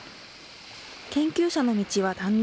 研究者の道は断念。